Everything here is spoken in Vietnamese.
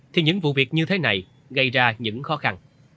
thì những vụ việc như thế này gây ra những khó khăn